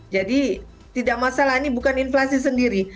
jadi tidak masalah ini bukan inflasi sendiri